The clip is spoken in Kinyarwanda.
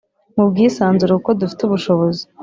mu bwisanzure kuko dufite ubushobozi”